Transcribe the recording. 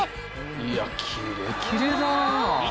いやキレキレだな。